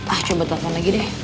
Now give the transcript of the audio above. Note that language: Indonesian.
ah coba telepon lagi deh